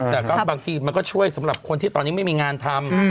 แต่ก็บางทีมันก็ช่วยสำหรับคนที่ตอนนี้ไม่มีงานทำ